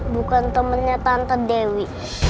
bukan temennya tante dewi